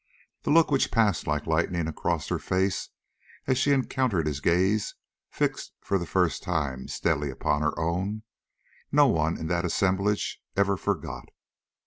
The look which passed like lightning across her face as she encountered his gaze fixed for the first time steadily upon her own, no one in that assemblage ever forgot.